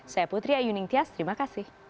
saya putri ayu ningtyas terima kasih